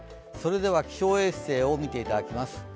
気象衛星を見ていただきます。